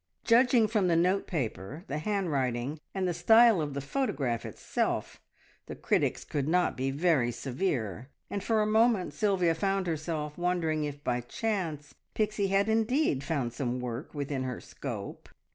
Judging from the note paper, the handwriting, and the style of the photograph itself, the critics could not be very severe, and for a moment Sylvia found herself wondering if by chance Pixie had indeed found some work within her scope.